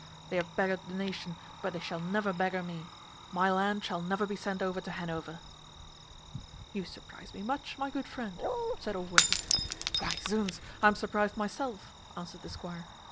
They have beggared the nation, but they shall never beggar me. My land shall never be sent over to Hanover." "You surprize me much, my good friend," said Allworthy. "Why, zounds! I am surprized myself," answered the squire.